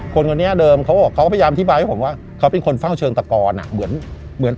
คนคนเนี้ยเดิมเขาก็พยายามอธิบายให้ผมว่าเขาเป็นคนเฝ้าเชิงตะกอนอ่ะเหมือน